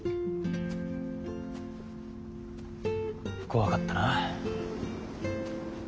怖かったな。